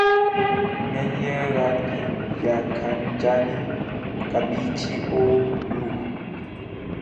mwenye rangi ya kijani kibichi au bluu